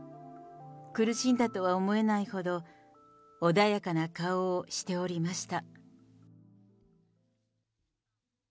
苦しんだとは思えないほど、穏やかな顔をしておりました。